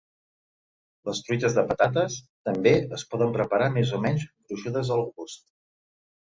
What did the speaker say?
Les truites de patates també es poden preparar més o menys gruixudes al gust.